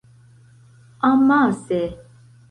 Amase.